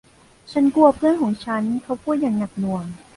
ฉันกลัวเพื่อนของฉันเขาพูดอย่างหนักหน่วง